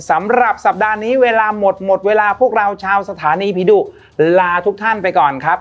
สำหรับสัปดาห์นี้เวลาหมดหมดเวลาพวกเราชาวสถานีผีดุลาทุกท่านไปก่อนครับ